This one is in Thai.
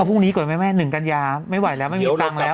เออพรุ่งนี้ก่อนแม่๑กัญญาไม่ไหวแล้วไม่มีทางแล้ว